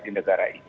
di negara ini